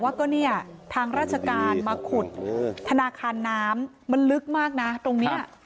ว่าก็เนี่ยทางราชการมาขุดธนาคารน้ำมันลึกมากนะตรงนี้